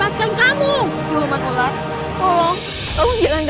aku akan naik ke luar frank